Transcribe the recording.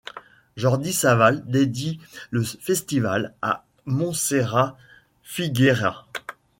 Jordi Savall dédie le festival à Montserrat Figueiras.